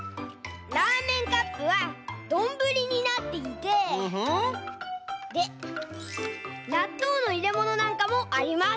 ラーメンカップはどんぶりになっていてでなっとうのいれものなんかもあります。